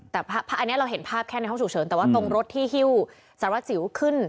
แต่อันนี้เราเห็นภาพแค่ในห้องฉุกเฉินแต่ว่าตรงรถที่ฮิ้วสารวัสสิวขึ้น